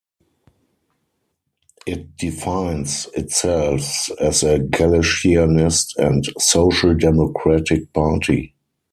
It defines itself as a Galicianist and social democratic party.